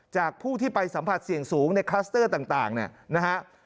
จากผู้ที่ไปสัมผัสเสี่ยงสูงในคลัสเตอร์ต่างเนี่ยนะฮะ